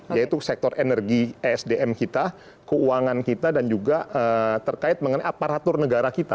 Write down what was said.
yaitu sektor energi esdm kita keuangan kita dan juga terkait mengenai aparatur negara kita